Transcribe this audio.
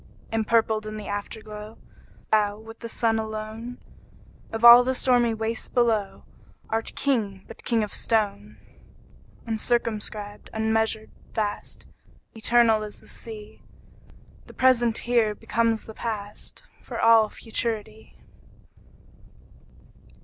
Empurpled in the Afterglow, Thou, with the Sun alone, Of all the stormy waste below, Art King, but king of stone! Uncircumscribed, unmeasured, vast, Eternal as the Sea, The present here becomes the past, For all futurity.